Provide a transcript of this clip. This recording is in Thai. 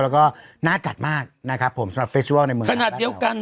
แล้วก็น่าจัดมากนะครับผมสำหรับเฟสวอลในเมืองขนาดเดียวกัน